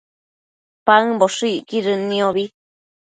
paëmboshëcquidën niobi